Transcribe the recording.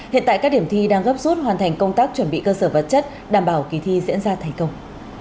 hiện tại các điểm thi đang gấp rút hoàn thành công tác chuẩn bị cơ sở vật chất đảm bảo kỳ thi diễn ra thành công